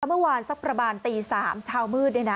เมื่อวานสักประมาณตี๓เช้ามืด